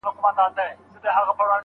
دا دنیا د ارمانونو یو ازموینځای دی.